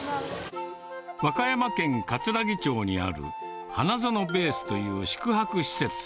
和歌山県かつらぎ町にある、花園ＢＡＳＥという宿泊施設。